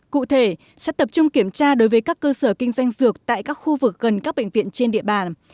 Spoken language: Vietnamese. cụ thể sẽ tập trung kiểm tra đối với các cơ sở kinh doanh dược tại các khu vực gần các bệnh viện trên địa bàn